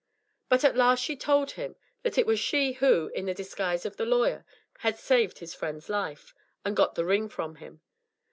But at last she told him that it was she who, in the disguise of the lawyer, had saved his friend's life, and got the ring from him.